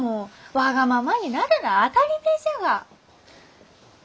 わがままになるなあ当たりめえじゃが。